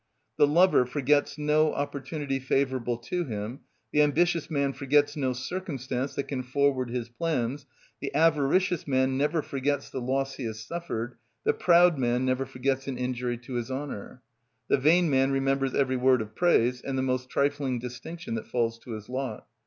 The lover forgets no opportunity favourable to him, the ambitious man forgets no circumstance that can forward his plans, the avaricious man never forgets the loss he has suffered, the proud man never forgets an injury to his honour, the vain man remembers every word of praise and the most trifling distinction that falls to his lot.